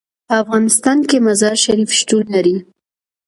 په افغانستان کې مزارشریف شتون لري.